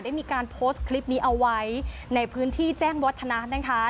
ได้มีการโพสต์คลิปนี้เอาไว้ในพื้นที่แจ้งวัฒนะนะคะ